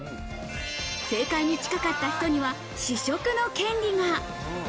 正解に近かった人には試食の権利が。